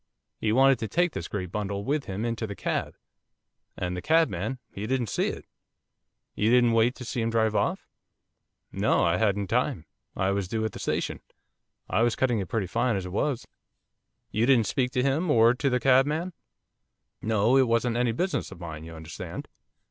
He wanted to take this great bundle with him into the cab, and the cabman, he didn't see it.' 'You didn't wait to see him drive off.' 'No, I hadn't time. I was due at the station, I was cutting it pretty fine as it was.' 'You didn't speak to him, or to the cabman?' 'No, it wasn't any business of mine you understand.